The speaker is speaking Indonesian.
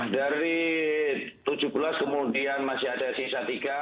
dari tujuh belas kemudian masih ada sisa tiga